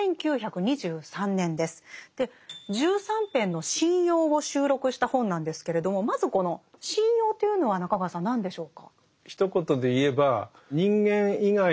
１３篇の神謡を収録した本なんですけれどもまずこの「神謡」というのは中川さん何でしょうか？